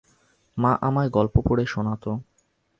মা আমায় গল্প পড়ে শোনাতো।